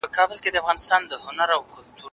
هسي نه چي څوک دي هی کړي په ګورم کي د غوایانو